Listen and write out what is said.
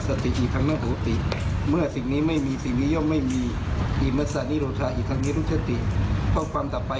สูดสุขตรีกไป